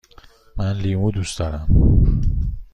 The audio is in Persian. من لیمو دوست دارم.